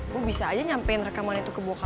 gue bisa aja nyampein rekaman itu ke bawah ya